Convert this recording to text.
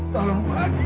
tolong pak haji